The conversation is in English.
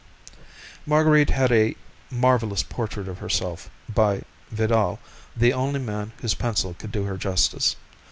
Marguerite had a marvellous portrait of herself, by Vidal, the only man whose pencil could do her justice.